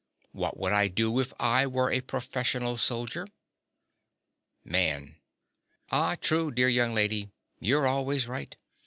What would I do if I were a professional soldier? MAN. Ah, true, dear young lady: you're always right.